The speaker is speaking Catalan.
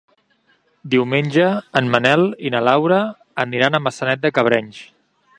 Diumenge en Manel i na Laura aniran a Maçanet de Cabrenys.